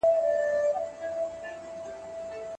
افغانانو د ښار شاوخوا ته مورچلونه ټینګ کړل.